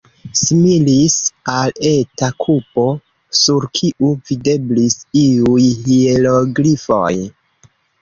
Similis al eta kubo, sur kiu videblis iuj hieroglifoj.